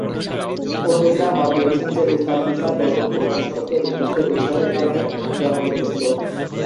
পণ্ডিতরা মত দিয়েছেন যে উস্তাদ ঈসার গল্পটি ঊনিশ শতকে ব্রিটিশদের উৎসাহের কারণে জন্ম নিয়েছিল।